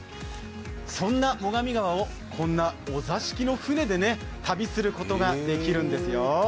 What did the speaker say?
そんな最上川を、こんなお座敷の船で旅することができるんですよ。